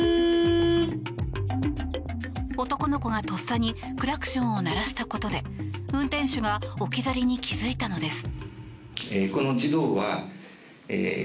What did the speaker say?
男の子がとっさにクラクションを鳴らしたことで運転手が置き去りに気付いたのです。